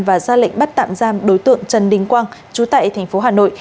và ra lệnh bắt tạm giam đối tượng trần đình quang chú tại thành phố hà nội